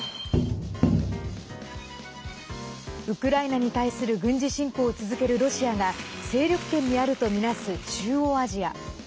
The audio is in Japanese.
ウクライナに対する軍事侵攻を続けるロシアが勢力圏にあるとみなす中央アジア。